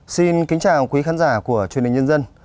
xin kính chào quý khán giả của truyền hình nhân dân